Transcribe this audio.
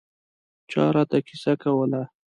چا راته کیسه کوله.